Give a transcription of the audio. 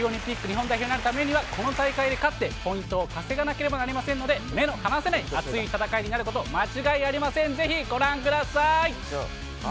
日本代表になるためにはこの大会に勝って、ポイントを稼がなければなりませんので目の離せない熱い戦いになること間違いありません。